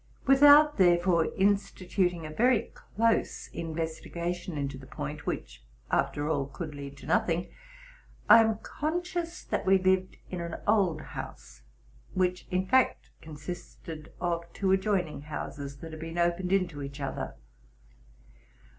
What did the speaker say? Without, therefore, instituting a very close investigation into the point, which, after all, could lead to nothing, I am conscious that we lived in an old house, which, in fact, consisted of two adjoining houses. that had been opened into each other.